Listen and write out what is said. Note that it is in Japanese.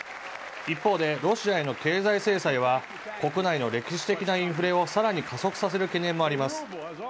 一方で、ロシアへの経済制裁は、国内の歴史的なインフレをさらに加速させる懸念もあります。